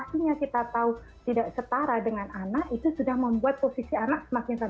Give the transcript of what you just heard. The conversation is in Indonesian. artinya kita tahu tidak setara dengan anak itu sudah membuat posisi anak semakin terbatas